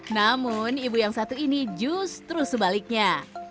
namun ibu yang satu ini justru sebaliknya